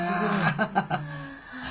ハハハハ。